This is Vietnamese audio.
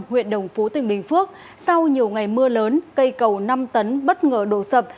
huyện đồng phú tỉnh bình phước sau nhiều ngày mưa lớn cây cầu năm tấn bất ngờ đổ sập